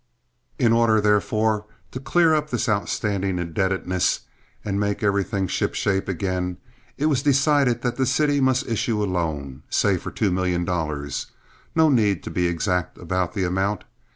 In order, therefore, to clear up this outstanding indebtedness and make everything shipshape again, it was decided that the city must issue a loan, say for two million dollars—no need to be exact about the amount.